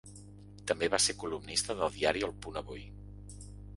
També va ser columnista del diari el Punt Avui.